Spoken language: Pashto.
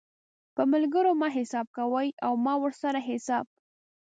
په ملګرو مه حساب کوئ او مه ورسره حساب